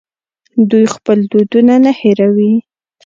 دوی خپل دودونه نه هیروي.